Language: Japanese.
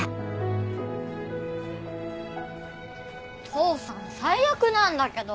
父さん最悪なんだけど。